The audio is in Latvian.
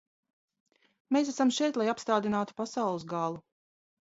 Mēs esam šeit, lai apstādinātu pasaules galu.